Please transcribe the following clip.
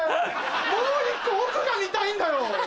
もう１個奥が見たいんだよ！